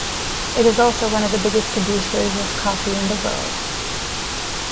It is also one of the biggest producers of coffee in the world.